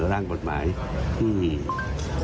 ร่างกฎหมายที่